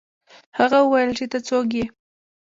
هغه وویل چې ته څوک یې.